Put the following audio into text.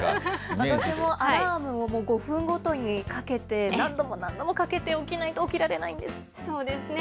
私もアラームを５分ごとにかけて、何度も何度もかけて起きなそうですね。